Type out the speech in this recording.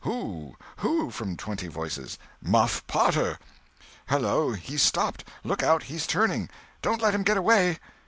"Who? Who?" from twenty voices. "Muff Potter!" "Hallo, he's stopped!—Look out, he's turning! Don't let him get away!"